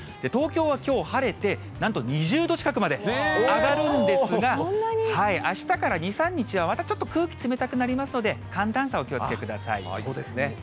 東京はきょう晴れて、なんと２０度近くまで上がるんですが、あしたから２、３日は、またちょっと空気冷たくなりますので、寒暖差、そうですね。